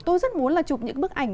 tôi rất muốn là chụp những bức ảnh